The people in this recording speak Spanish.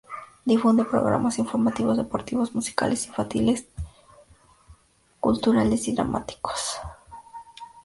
Difunde programas informativos, deportivos, musicales, infantiles, culturales y dramáticos.